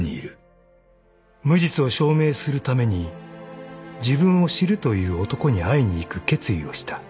［無実を証明するために自分を知るという男に会いに行く決意をした］